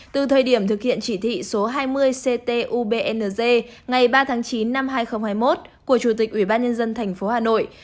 từ thời điểm thực hiện chỉ thị số hai mươi ct ubnz ngày ba tháng chín năm hai nghìn hai mươi một của chủ tịch ubnd tp hà nội